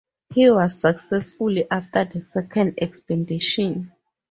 He was successful after the second expedition.